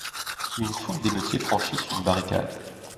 Une foule d'émeutiers franchissent une barricade.